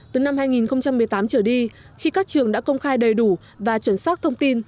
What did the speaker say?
từ năm hai nghìn một mươi tám trở đi khi các trường đã công khai đầy đủ và chuẩn xác thông tin